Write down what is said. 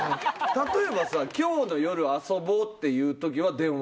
例えば「今日の夜遊ぼう」って言う時は電話？